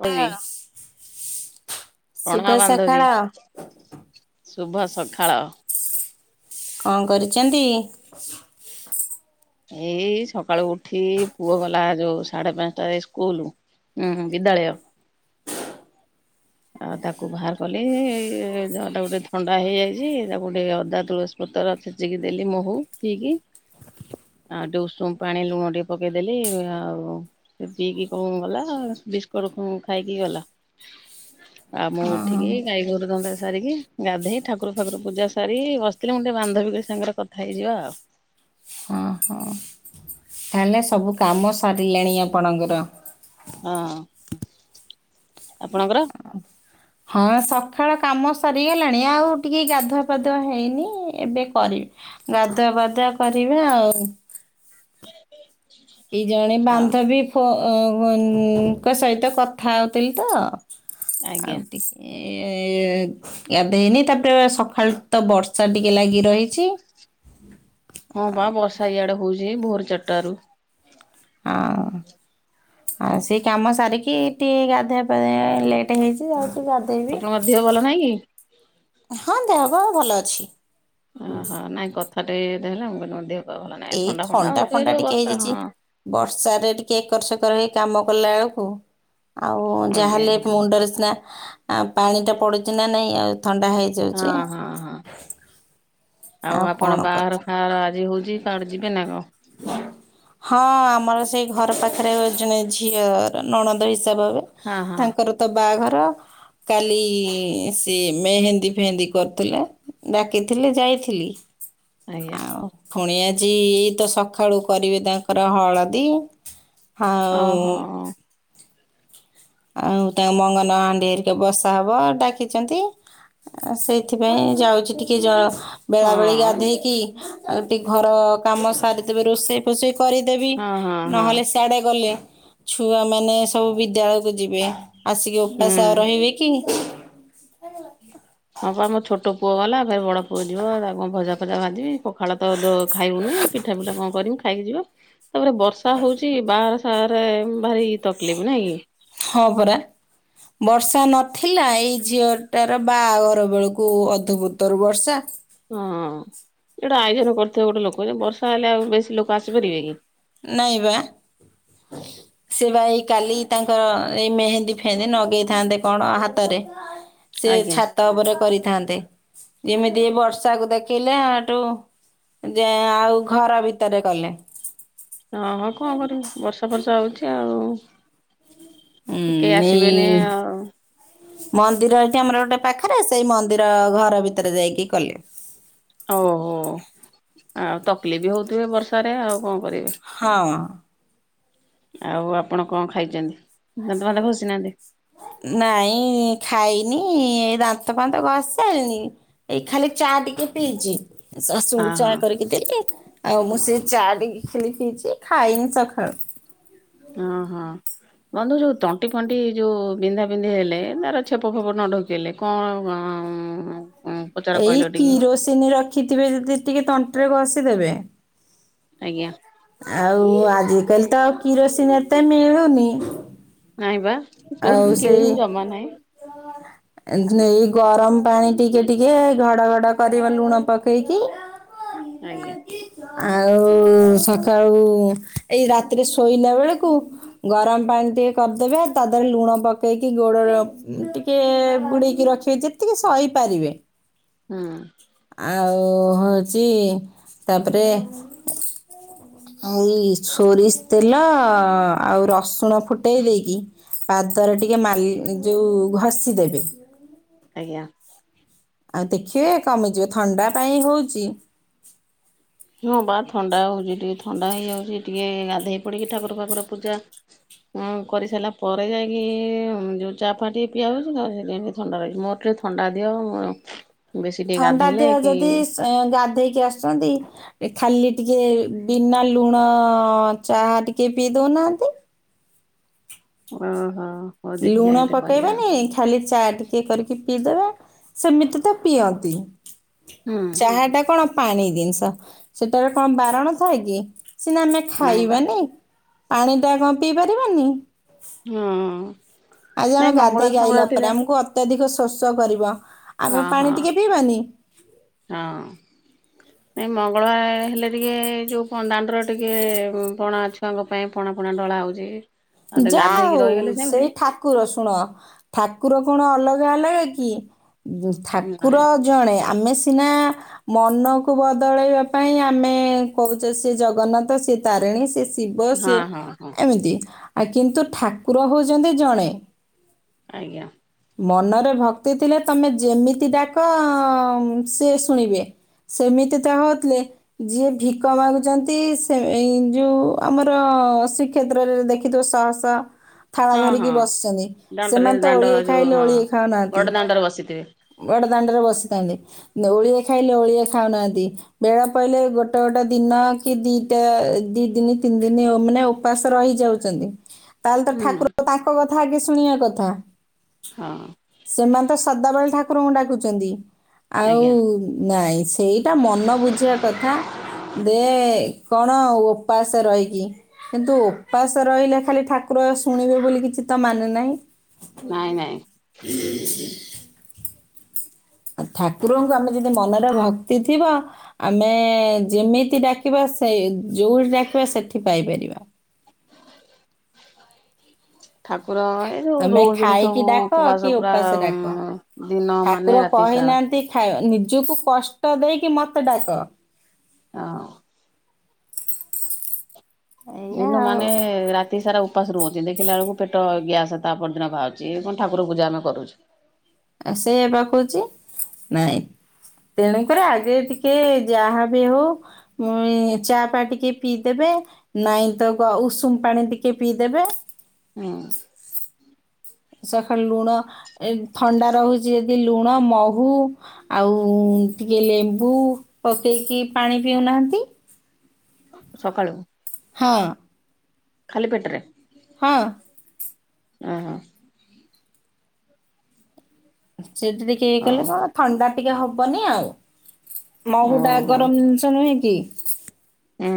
ଓ ବି। ଶୁଭ ରଣ ସକାଳ ବାନ୍ଦବି। ଶୁଭ ସଖାଳ। କଣ କରିଚନ୍ତି। ଏଇ ସକାଳୁ ଉଠି ପୁଅ ଗଲା ଯୋଉ ସାଢେ ପାଞ୍ଚଟା ରେ ସ୍କୁଲ ହୁଁ ହୁଁ ବିଦାଳୟ। ଆଉ ତାକୁ ବାହାର କଲି। ଟାକୁ ଗୋଟେ ଥଣ୍ଡା ହେଇଯାଇଛି ତାକୁ ଟିକେ ଅଦା ତୁଳସୀ ପ ତର ଛେଚିକି ଦେଲି ମହୁ ଠିକି। ଆଉ ତ ଉଷୁମ ପାଣି ଲୁଣ ଟିକେ ପକେଇଦେଲି, ଆଉ ସେ ପିକି କଣ ଗଲା। ବିସ୍କୁଟ ଖାଇକି ଗଲା। ଆଉ ମୁଁ ଓହୋ ଉଠିକି ଗାଈ ଗୋରୁ ଦନ୍ତା ସାରିକି, ଗାଧେଇ ଠାକୁର ଫାକୁରୁ ପୂଜା ସାରିକି ବସିଥିଲି। ମୁଣ୍ଡ ବାନ୍ଧବୀଙ୍କ ସାଙ୍ଗରେ କଥା ହେଇଯିବା ଆଉ। ହଁ ହଁ। ତାହେଲେ ସବୁ କାମ ସାରିଲେଣି ଆପଣଙ୍କର। ହଁ ଆପଣଙ୍କର? ହଁ ସଖାଳ କାମ ସରିଗଲାଣି ଆଉ ଟିକେ ଗାଧୁଆ, ପାାଧୁଆ ହେଇନି ଏବେ କରିବି। ଗାଧୁଆ, ବାଧୁଆ କରିବା ଆଉ। [inaudible] ଏଇ ଜଣେ ହଉ ବାନ୍ଧବୀ ଫ-ଙ୍କ ସହିତ କଥା ହଉଥିଲି ତ। ଆଜ୍ଞା ଆଉ ଟିକେ। ଏ ଗାଧେଇନି ତାପରେ ସକାଳୁ ତ ବର୍ଷା ଟିକେ ଲାଗି ରହିଛି। ହଁ ବା ବର୍ଷା ଇଆଡେ ହଉଛି ଭୋର ଚାରଟାରୁ। ହ। ଆଉ ସେ କାମ ସାରିକି ଟିକେ ଗାଧୁଆ ପାଦୂଆ ଲେଟ୍ ହେଇଛି, ଆଉ। ଆପଣଙ୍କ ମଧ୍ୟ ଭଲ ନାଇଁ କି? ହଁ ଦେହ ବା ଭଲ ଅଛି। ଓହୋ। ନାଇଁ କଥା ଟେ ଏମିତି ହେଲା ମୁଁ କହିଲି ଦେହ ପା ଭଲ ନାହିଁ ଏଇ ଥଣ୍ଡା ହଉଥିବ ଫଣ୍ଡା ଯୋଉ ଟିକେ ବର୍ଷା ହେଇଯାଇଛି। ହଁ। ବର୍ଷ ରେ ଟିକେ ଏକର ସେକର ହେଇ। କାମ କଲାବେଳକୁ ଆଉ ଆଜ୍ଞା ଯାହାହେଲେ ଆଜ୍ଞା ମୁଣ୍ଡରେ ସିନା ଆ ପାଣିଟା ପଡୁଛି ନା ନାଇଁ ଆଉ ଥଣ୍ଡା ହେଇଯାଉଛି। ହଁ ହଁ ହଁ ଆଉ ଆପଣ କଣ ବାହାଘର କରୁଛୁ। ଫହାଘର ଆଜି ହଉଛି କାହାଆଡ଼େ ଯିବେ ନା କଣ? ହଁ ଆମର ସେଇ ଘର ପାଖରେ ଜଣେ ଝିଅର ନଣନ୍ଦ ହିସା ସାବ ହେବେ, ହଁ ହଁ ତାଙ୍କର ତ ବାହାଘର ର, କାଲି ସିଏ ମେହେନ୍ଦୀ ଫେହେନ୍ଦୀ କରୁଥିଲା ଡାକିଥିଲେ ଯାଇଥିଲି। ଆଜ୍ଞା ଆଉ ଫୁଣି ଆଜି ତ ସକା ଖାଳୁ କରିବେ ତାଙ୍କର ହଳଦୀ ଆଉ ଓହୋ ଆଉ ତାଙ୍କ ମଙ୍ଗନ ହାଣ୍ଡି ହେରିକା ବସା ହବ ଡାକିଛନ୍ତି ଆଉ ସେଇଥିପାଇଁ ଯାଉଛି ଟିକେ ଜ ହଁ ବେଳାବେଳି ଗାଧେଇକି ଆଉ ଟିକେ ଘର କାମ ସାରିଦେବେ ରୋଷେଇ ଫୋଷେଇ କରିଦେବି, ହଁ ହଁ ହଁ ନହେଲେ ସିଆଡେ ଗଲେ ଛୁଆମାନେ ସବୁ ବିଦ୍ୟାଳୟକୁ ଯିବେ ଆସିକି ଉପାସ ଆଉ ହୁଁ। ରହିବେ କି? ତଥାପି ବଡ଼ ପୁଅ ଯିବ ତାକୁ କଣ ଭଜା ଫଜା ଭାଜିବି ପଖାଳ ତ ଦ ଖାଇବୁନି, ପିଠା ପିଠା କଣ କରିମି ଖାଇକି ଯିବ ତାପରେ ବର୍ଷା ହଉଛି ବାହାଘର ସାହାଘରରେ ଭାରି ତକଲିଫ ନାଇଁକି? ହଁ ପରା। ବର୍ଷା ନଥିଲା, ଏଇ ଝିଅଟାର ବାହାଘର ବେଳକୁ ଅଧଭୁତରୁ ବର୍ଷା। ହଁ। ଯିଏ ଗୋଟେ ଆୟୋଜନ କରିଥିବ ଗୋଟେ ଲୋକ ଯେ, ବର୍ଷା ହେଲେ ଆଉ ବେଶୀ ଲୋକ ଆସିପାରିବେ କି? ନାଇଁ ବା। [unintelligible] ସେ ବା ଏଇ କାଲି ତାଙ୍କର ଏଇ ମେହେନ୍ଦୀ ଫେହେନ୍ଦୀ ନଗେଇଥାନ୍ତେ କଣ ହାତରେ ସେ ଆଜ୍ଞା ଛାତ ଉପରେ କରି ଥାନ୍ତେ। ଯେମିତି ଏ ବର୍ଷାକୁ ଦେଖିଲେ ହେଠୁ ଯେ ଆଉ ଘର ଭିତରେ କଲେ। ହଁ ହଁ କଣ କରିବି? ବର୍ଷା ଫର୍ଷା ହଉଛି ଆଉ। ହୁଁ କେହି ନେଇ ଆସିବେନି ଆଉ ମନ୍ଦିର ଏଠି ଆମର ଗୋଟେ ପାଖେରେ ସେଇ ମନ୍ଦିର ଘର ଭିତରେ ଯାଇକି କଲେ। ଓହୋ। ଆଉ ତକଲିଫ୍ ବି ହଉଥିବେ ବର୍ଷାରେ ଆଉ କଣ କରିବେ ହଁ। ଆଉ ଆପଣ କଣ ଖାଇଛନ୍ତି? ଦାନ୍ତ ଫାନ୍ତ ଘଷି ନାହାନ୍ତି ନାଇଁ ଖାଇନି ଏଇ ଦାନ୍ତ ଫାନ୍ତ ଘଷି ସାଇଲିଣି, ଏଇ ଖାଲି ଚା ଟିକେ ପିଇଚି। ଶାଶୂଙ୍କୁ ହଁ ଚା ହଁ। କରିକି ଦେଲି ଆଉ ମୁଁ ସେ ଚା ଟିକେ ଖାଲି ପିଇଚି, ଖାଇନି ସଖାଳୁ। ହଁ ହଁ। ବନ୍ଧୁ ଯୋଉ ତଣ୍ଟି ଫଣ୍ଟି ଯୋଉ ବିନ୍ଧା ବିନ୍ଧି ହେଲେ, ଧର ଛେପ ଫେପ ନ ଢ଼ୋକିହେଲେ କଣ କଣ ହଁ ମୁଁ ଏଇ କିରୋସିନି ରଖିଥିବେ ଯଦି ଟିକେ ତଣ୍ଟିରେ ଘଷିଦେବେ ଆଜ୍ଞା। ଆଉ ଆଜିକାଲି ତ ଆଉ କିରୋସିନି ଏତେ ମିଳୁନି ନାଇଁବା, ଟୋ ହା ଆଉ ହିଁ କିରୋସିନି ଜମା ନାହିଁ। ଏ ନେଇ ଗରମ ପାଣି ଟିକେ ଟିକେ ଘଡ ଘଡ କରିବ ଲୁଣ ପକେଇକି ଆଜ୍ଞା। ଆଉ ସକାଳୁ ଏଇ ରାତିରେ ଶୋଇଲା ବେଳକୁ ଗରମ ପାଣି ଟିକେ କରିଦେବେ ତାଧେରେ ଲୁଣ ପକେଇକି ଗୋଡର ଟିକେ ବୁଡ଼େଇକି ରଖିବେ ଯେତିକି ସହିପାରିବେ ହୁଁ। ଆଉ ହଉଛି ତାପରେ ଏଇ ସୋରିଷ ତେଲ ଆଉ ରସୁଣ ଫୁଟେଇ ଦେଇକି, ପାଦରେ ଟିକେ ମାଲି ଯୋଉ ଘଷି ଦେବେ। ଆଜ୍ଞା ଆଉ ଦେଖିବେ କମିଯିବ ଥଣ୍ଡା ପାଇଁ ହଉଛି। ହଁ ବା ଥଣ୍ଡା ହଉଛି ଟିକେ ଥଣ୍ଡା ହେଇଯାଉଛି ଟିକେ ଗାଧୋଇ ପଡିକି ଠାକୁର ପାଖୁର ପୂଜା ହଁ କରିସାରିଲା ପରେ ଯାଇକି ଯୋଉ ଚା ଫା ଟିକ ପିଆହଉଚି ତାପରେ ସେମିତି ଥଣ୍ଡା ରହିବ ଥଣ୍ଡା ଦିହ ଆଉ। ଥଣ୍ଡା ଦେହ ଯଦି ଗାଧେଇକି ଆସୁଛନ୍ତି ଖାଲି ଟିକେ ବିନା ଲୁଣ ଚାହା ଟିକେ ପିଇ ଦଉନାହାନ୍ତି। ଅ ହଁ। ଲୁଣ ପକେଇବେନି ଖାଲି ଚା ଟିକେ କରିକି ପିଇଦବେ। ସେମିତି ତ ପିଅନ୍ତି ହୁଁ ଚାହା ଟା କଣ ପାଣି ଜିନିଷ ସେଟାରେ କଣ ବାରଣ ଥାଏ କି ସିନା ଆମେ ନାଇଁ ବା ଖାଇବାନି। ପାଣି ଟା କଣ ପିଇ ପାରିବାନି। ହଁ। ଆଜି ନାଇଁ ଆମେ ମଙ୍ଗଳବାର ଗାଧେଇ ଆଇଲା ଫଙ୍ଗଳବାର ଥିଲେ ପରେ ଆମକୁ ଅତ୍ୟଧିକ ଶୋଷ କରିବ ହଁ ଆମ ହଁ ପାଣି ଟିକେ ପିଇବାନି। ହଁ ନାଇଁ ମଙ୍ଗଳାର ହେଲେ ଟିକେ ଯୋଉ ଦାଣ୍ଡର ଟିକେ ପଣା ଛୁଆଙ୍କ ପାଇଁ ପଣା ଫଣା ଢ଼ଳା ହଉଚି। ଯା ହଉ ସେଇ ଠାକୁର ଶୁଣ ଠାକୁ ଠାକୁର କଣ ଅଲଗା ଅଲଗା କି ଠାକୁର ନାଇଁ ଜଣେ। ଆମେ ସିନା ମନକୁ ବଦଳେଇବା ପାଇଁ ଆମେ କହୁଛେ ସେ ଜଗନ୍ନାଥ ସେ ତାରିଣୀ ସେ ଶି ଶିବ ହଁ ସିଏ ହଁ ହଁ ଏମିତି ଆ କିନ୍ତୁ ଠାକୁର ହଉଛନ୍ତି ଜଣେ। ଆଜ୍ଞା। ମନରେ ଭକ୍ତି ଥିଲେ ତମେ ଯେମିତି ଡାକ ସେ ଶୁଣିବେ। ସେମିତି ତ ହଉଥିଲେ ଯିଏ ଭିକ ମାଗୁଛନ୍ତି ସେ ଯୋଉ ଆମର ହଁ ଶ୍ରୀକ୍ଷେତ୍ରରେ ଦେଖିଥିବ ସହସହ। ଥାଳ ହଁ ଧରିକି ହଁ ବସିଛନ୍ତି ଦାଣ୍ଡରେ ସେମାନେ ତ ଦାଣ୍ଡ ଓଳିଏ ଯୋଉ ଖାଇଲେ ହଁ ଓଳିଏ ଖାଉନାହାନ୍ତି ବଡ଼ ଦାଣ୍ଡରେ ବସିଥିବେ ବଡ଼ ଦାଣ୍ଡରେ ବସିଥାନ୍ତି ଓଳିଏ ଖାଇଲେ ଓଳିଏ ଖାଉନାହାନ୍ତି ବେଳ ପଇଲେ ଗୋଟେ ଗୋଟେ ଦିନ କିଏ ଦିଟା ଦିନ ତିନି ଦିନ ମାନେ ଉପାସ ରହିଯାଉଛି। ତାହେଲେ ତ ହୁଁ ଠାକୁର ତାଙ୍କ କଥା ଆଗେ ଶୁଣିବା କଥା। ହଁ ସେମାନେ ତ ସଦାବେଳେ ଠାକୁରଙ୍କୁ ଡାକୁଛନ୍ତି। ଆଉ ଆଜ୍ଞା ନାଇଁ ସେଇଟା ମନ ବୁଝିବା କଥା ଯେ କଣ ଓପାସ ରହିକି କିନ୍ତୁ ଓପାସ ରହିଲେ ଖାଲି ଠାକୁର ଶୁଣିବେ ବୋଲି କିଛି ତ ମାନେ ନାହିଁ। ନାଇଁ ନାଇଁ। ଠାକୁରଙ୍କୁ ଆମେ ଯଦି ମନରେ ଭକ୍ତି ଥିବ ଆମେ ଯେମିତି ଡାକିବା। ସେଇ ଯୋଉଠି ଡାକିବେ ସେଠି ପାଇପାରିବା। ଠାକୁର ଏଇ ଯୋଉ ତମେ ରହୁଛନ୍ତି ଖାଇକି ସବୁ ଡାକ କି ଉପବାସ ପୁରା ଓପାସ ଦିନ ମାନେ ରାତି ସାରା। ନାହାନ୍ତି ଖାଇ ନିଜକୁ କଷ୍ଟ ଦେଇକି ମତେ ଡାକ। ଆଁ। ଏଇଆ ଦିନ ମାନେ ଆଉ ରାତି ସାରା ଉ ଉପାସ ରୁହନ୍ତି ଦେଖିଲା ବେଳକୁ ପେଟ ଗ୍ୟାସ ତା ପରଦିନ ବାହାରୁଛି ଏ ପୁଣି ଠାକୁର ପୂଜା ଆମେ କରୁଛୁ। ସେଇଆ ପା କହୁଛି। ତେଣୁକରି ଆଗେ ଟିକେ ଯାହା ବି ହଉ ଚା ପା ଟିକେ ପିଇଦେବେ। ନାଇଁ ତ ଉଷୁମ ପାଣି ଟିକେ ପିଇଦେବେ। ହୁଁ। ସକାଳୁ ଲୁଣ ଏ ଥଣ୍ଡା ରହୁଛି ଯଦି ଲୁଣ ମହୁ ଆଉ। ଟିକେ ଲେମ୍ବୁ ପକେଇକି ପାଣି ପିଉନାହାନ୍ତି। ସକାଳୁ। ହଁ। ଖାଲି ପେଟ ରେ। ହଁ, ଓ ହୋ! ଟେକି ଟେକି [inaudible] କଲେ ହଉ କଣ ହଉ ଥଣ୍ଡା ଟିକେ ହବନି ଆଉ। ମହୁ ଟା ଓହୋ ଗରମ ଜିନିଷ ନୁହେଁ କି? ହୁଁ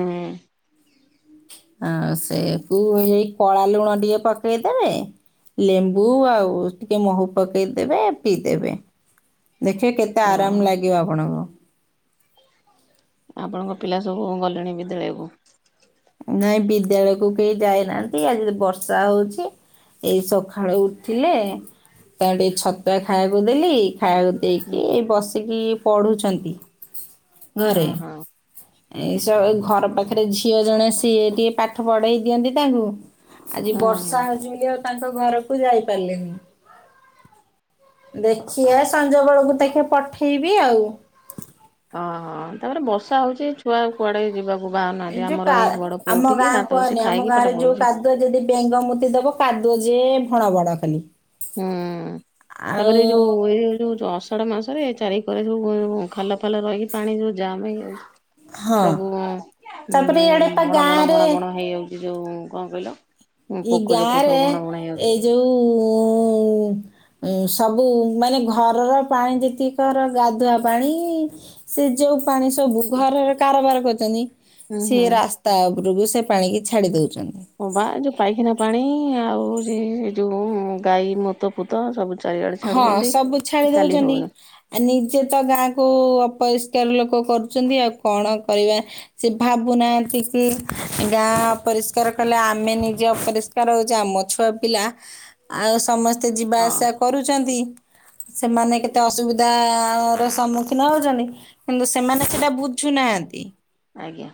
ହଁ ସେଇଆକୁ ହେଇ କଳା ଲୁଣ ଟିକେ ପକେଇଦେବେ। ଲେମ୍ବୁ ଆଉ ଟିକେ ମହୁ ପକେଇ ଦେବେ ପିଇଦେବେ। ଦେଖିବେ କେତେ ହ ଆରାମ ଲାଗିବ ଆପଣଙ୍କୁ। ଆପଣଙ୍କ ପିଲା ସବୁ କଣ ଗଲେଣି ବିଦ୍ୟାଳୟକୁ। ନାଇଁ ବିଦ୍ୟାଳୟକୁ କେହି ଯାଇନାହାନ୍ତି। ଆଜି ତ ବର୍ଷା ହଉଚି। ଏଇ ସଖାଳୁ ଉଠିଲେ ତାକୁ ଟିକେ ଛତୁଆ ଖାଇବାକୁ ଦେଲି। ଖାଇବାକୁ ଦେଇକି ଏ ବସିକି ପଢ଼ୁଛନ୍ତି। ଘରେ! ଓହୋ ଏସବୁ ଘର ପାଖରେ ଝିଅ ଜଣେ। ସିଏ ଟିକେ ପାଠ ପଢେଇ ଦିଅନ୍ତି। ତାଙ୍କୁ ଆଜି ହୁଁ ହୁଁ ବର୍ଷା ହଉଛି ବୋଲି ଆଉ ତାଙ୍କ ଘରକୁ ଯାଇପାରିଲେନି। ଦେଖିବା ସଞ୍ଜବେେଳକୁ ତାକୁ ପଠେଇବି ଆଉ। ଓହ ତାପରେ ବର୍ଷା ହଉଛି ଛୁଆ କୁଆଡେ ଯିବାକୁ ବାହାରୁ ଏ ନାହାନ୍ତି ଆମର ଯୋଉ ଏଇ ବଡ ପୁଅ ଆମ ଉଠିକି ଗାଁ ଦାନ୍ତ ଘଷି କୁହନି ଆମ ଖାଇକି ପାଠ ଗାଁରେ ଯୋଉ ପଢୁଛି କାଦୁଅ ଯଦି ବେଙ୍ଗ ମୁତି ଦବ। କାଦୁଅ ଯେ ଭଣ ବଡ ଖାଲି। ହୁଁ ଆଉ ତାପରେ ଏଇ ଯୋଉ ଏଇ ଯୋଉ ଅଷାଢ ମାସ। ଥରେ ଚାରି କରେ ଯୋଉ ଖାଲ ଫାଲ ରହିକି ପାଣି ଯୋଉ ଜାମ୍ ହେଇଯାଉଛି ହଁ ସବୁ। ହୁଁ ତାପରେ ଇଆଡ଼େ ପା ଭଣ ଭଣ ଗାଁରେ ଭଣ ଭଣ ହେଇଯାଉଛି ଯୋଉ କଣ କହିଲ। ଏଇ ପୋକ ଜୋକ ଗାଁରେ ସବୁ ଭଣ ଭଣ ଏଇ ହେଇଯାଉଛନ୍ତି ଯୋଉଁ ଉ ସବୁ ମାନେ ଘରର ପାଣି ଯେତିକି କର ଗାଧୁଆ ପାଣି ସେ ଯୋଉ ପାଣି ସବୁ ଘରରେ କାରବାର କରୁଛନ୍ତି ହୁଁ ସିଏ ରାସ୍ତା ଯୋଗୁଁରୁ ସେ ପାଣିକି ଛାଡ଼ି ଦଉଛନ୍ତି। ହ ବା ଯୋଉ ପାଇଖାନା ପାଣି ଆଉ ସେ ଯୋଉ ଗାଈ ମୁତ ପୁତ ସବୁ ଚାରିଆଡେ ହଁ ଛାଡୁଛନ୍ତି। ସବୁ ଛାଡି ଚାଲି ଦଉଛନ୍ତି ହଉନି ଆ ନିଜେ ତ ଗାଁକୁ ପରିଷ୍କାର ଲୋକ କରୁଛନ୍ତି ଆଉ କଣ କରିବା ସେ ଭାବୁନାହାନ୍ତି କି ଗାଁ ଅପରିଷ୍କାର କଲେ ଆମେ ନିଜେ ଅପରିଷ୍କାର ହଉଚେ ଆମ ଛୁଆ ପିଲା ଆଉ ସମସ୍ ଏତେ ଯିବା ହଁ ଆସିବା ହନ୍ତିି। ସେମାନେ କେତେ ଅସୁବିଧା ର ସମ୍ମୁଖୀନ ହଉଛନ୍ତି କିନ୍ତୁ ସେମାନେ ସେଟା ବୁଝୁନାହାଁ ହାଁନ୍ତି। ଆଜ୍ଞା।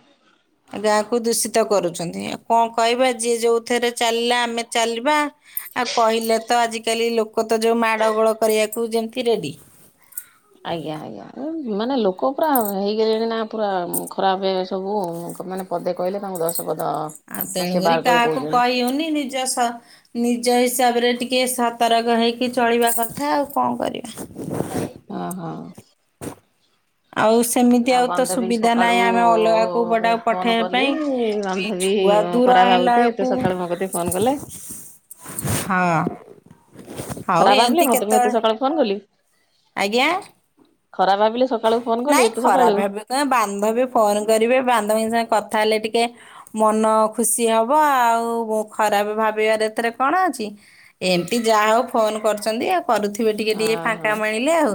ଗାଁକୁ ଦୂଷିତ କରୁଛନ୍ତି ଆଉ କଣ କହିବା ଯିଏ ଯୋଉଥିରେ ଚାଲିଲା ଆମେ ଚାଲିବା। ଆଉ କହିଲେ ତ ଆଜିକାଲି ଲୋକ ତ ଯୋଉ ମାଡ ଗୋଳ କରିବାକୁ ଯେମତି ରେଡି। ଆଜ୍ଞା ଆଜ୍ଞା ମାନେ ଲୋକ ପୁରା ହେଇଗଲେଣି ନା ପୁରା ଖରାପ ଏ ସବୁ। ଲୋକମାନେ ପଦେ କହେ ତାଙ୍କୁ ଦଶ ପଦ ଆଉ ସେ ତେଣୁକରି ବାହାର କରି କାହାକୁ କହୁଛନ୍ତି। କହି ହଉନି ନିଜ ସ ନି ନିଜ ହିସାବରେ ଟିକିଏ ସତର୍କ ହେଇକି ଚଳିବା କଥା ଆଉ କଣ କରିବା। ଅ ହ। ଆଉ। ସେମିତି ଆଉ ତ ସୁବିଧା ସକାଳୁ ନାହିଁ ଆମେ ଅଲଗା କଉ ପଟେ ଫୋନ ପଠେଇବା ପାଇଁଏ ଛୁଆ ଆଉ ଦୂର ହେଲା ଭାବୁଛି ଏତେ ବେଳକୁ ସକାଳୁ ମୋ କତିକି ଫୋନ କଲା। ହଁ। ହଉ ଖରାପ ଭାବିଲେ ଏମିତି ମତେ ମୁଁ ଏତେ କେତେବେଳେ ସକାଳୁ ଫୋନ କଲି। ଆଜ୍ଞା। ଖରାପ ଭାବିଲେ ସକାଳୁ ଫୋନ କଲି ନାଇଁ ଏତେ ଖରାପ ସକାଳୁ ଭାବିବି କଣ ବାନ୍ଧବୀ ଫୋନ କରିବେ ବାନ୍ଧବୀଙ୍କ ସାଙ୍ଗେ କଥା ହେଲେ ଟି କେ ମନ ଖୁସି ହବ ଆଉ ମୁଁ ଖରାପ ଭାବିବାର ଏଥିରେ କଣ ଅଛି। ଏମିତି ଯାହା ହଉ ଫୋନ କରୁଛନ୍ତି ଆଉ କରୁଥିବେ ଟିକେ ହଁ ଟିକେ ଫାଙ୍କା ହଁ। ମିଣିଲେ ଆଉ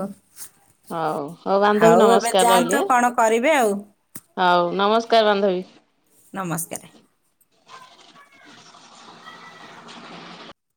ହଉ ହଉ ବାନ୍ଧବୀ ଏବେ ନମସ୍କାର ଯାଆନ୍ତୁ ରହିଲି କଣ କରିବେ ଆଉ ଆ ହଉ ନମସ୍କାର ବାନ୍ଧବୀ ନମସ୍କାର।